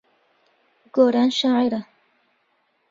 گۆران شاعیرە.